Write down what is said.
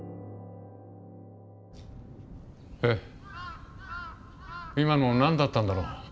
えっ今の何だったんだろう。